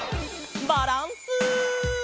バランス。